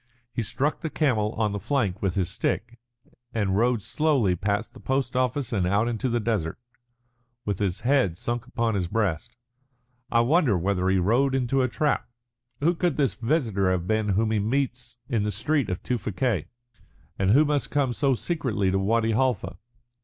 He struck the camel on the flank with his stick, and rode slowly past the post office and out into the desert, with his head sunk upon his breast. I wonder whether he rode into a trap. Who could this visitor have been whom he meets in the street of Tewfikieh, and who must come so secretly to Wadi Halfa?